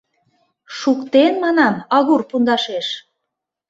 — Шуктен, манам, агур пундашеш.